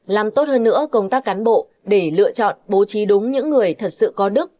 làm tốt hơn nữa công tác cán bộ để lựa chọn bố trí đúng những người thật sự có đức